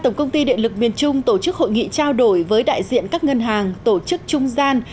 tổng công ty điện lực miền trung tổ chức hội nghị trao đổi với đại diện các ngân hàng tổ chức trung gian